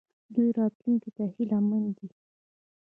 دوی راتلونکي ته هیله مند دي.